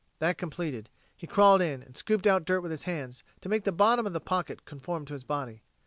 That completed, he crawled in and scooped out dirt with his hands, to make the bottom of the pocket conform to his body.